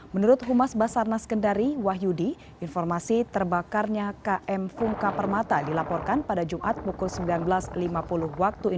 menurut humas basarnas kendari wahyudi informasi terbakarnya km fungka permata dilaporkan pada jumat pukul sembilan belas lima puluh waktu indonesia